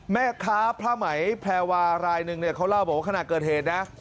แม่ค้าพระไหมแพววารายนึงเขาเล่าบอกว่าขณะเกิดเหตุนะ